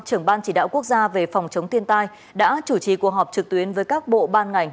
trưởng ban chỉ đạo quốc gia về phòng chống thiên tai đã chủ trì cuộc họp trực tuyến với các bộ ban ngành